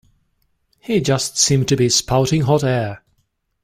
He just seems to be spouting hot air.